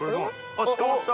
あっ捕まった。